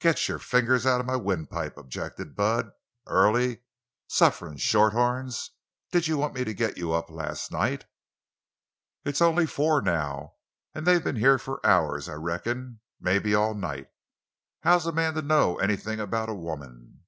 "Git your fingers out of my windpipe," objected Bud. "Early! Sufferin' shorthorns! Did you want me to git you up last night? It's only four, now—an' they've been here for hours, I reckon—mebbe all night. How's a man to know anything about a woman?"